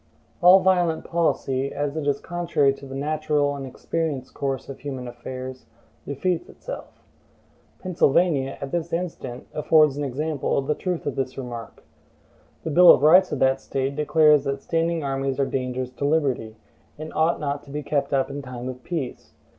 All violent policy, as it is contrary to the natural and experienced course of human affairs, defeats itself. Pennsylvania, at this instant, affords an example of the truth of this remark. The Bill of Rights of that State declares that standing armies are dangerous to liberty, and ought not to be kept up in time of peace.